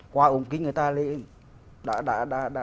qua ống kính người ta